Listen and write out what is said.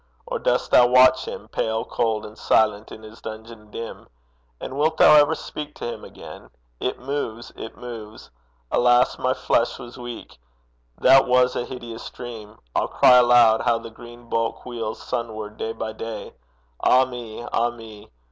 or dost thou watch him Pale, cold, and silent in his dungeon dim? And wilt thou ever speak to him again? 'It moves, it moves! Alas, my flesh was weak; That was a hideous dream! I'll cry aloud How the green bulk wheels sunward day by day! Ah me! ah me!